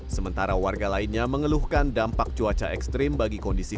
sementara warga lainnya mengeluhkan dampak cuaca ekstrim bagi kondisi